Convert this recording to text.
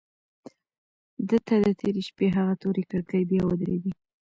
ده ته د تېرې شپې هغه تورې کړکۍ بیا ودرېدې.